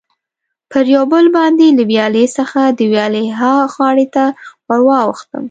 پر یو پل باندې له ویالې څخه د ویالې ها غاړې ته ور واوښتم.